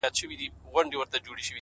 زه سم پء اور کړېږم ستا په محبت شېرينې،